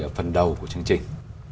ở phần đầu của chương trình